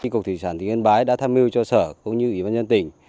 cục thủy sản tỉnh yên bái đã tham mưu cho sở cũng như ủy ban nhân tỉnh